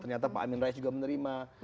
ternyata pak amin rais juga menerima